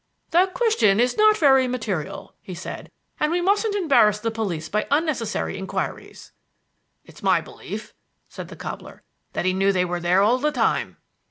"The question is not very material," he said, "and we mustn't embarrass the police by unnecessary inquiries." "It's my belief," said the cobbler, "that he knew they were there all the time."